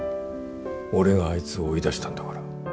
俺があいつを追い出したんだから。